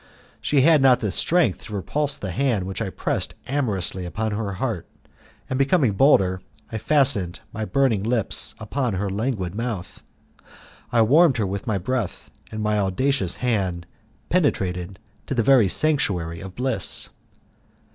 She had not strength to repulse the hand which I pressed amorously upon her heart, and becoming bolder I fastened my burning lips upon her languid mouth. I warmed her with my breath, and my audacious hand penetrated to the very sanctuary of bliss.